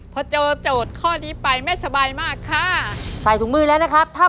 ปั่นเดียวไปเลยครับ